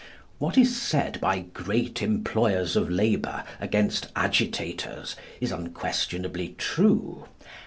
What is said by great employers of labour against agitators is unquestionably true.